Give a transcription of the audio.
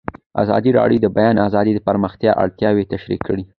ازادي راډیو د د بیان آزادي د پراختیا اړتیاوې تشریح کړي.